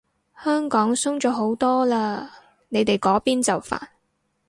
香港鬆咗好多嘞，你哋嗰邊就煩